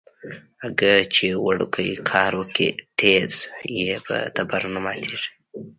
اگه چې وړوکی کار وکي ټيز يې په تبر نه ماتېږي.